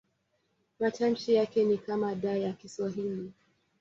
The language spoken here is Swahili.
Matamshi yake ni kama D ya Kiswahili.